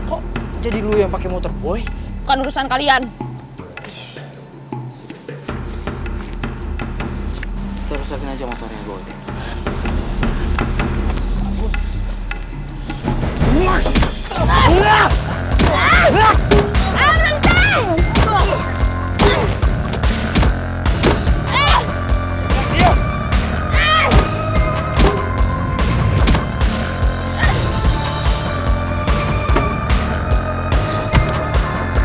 bagaimana kamu mau berk already resort resor hospital dari sini ya